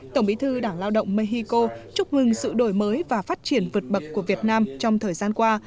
tổng bí thư đảng lao động mexico chúc ngừng sự đổi mới và phát triển vượt bậc của việt nam trong thời gian qua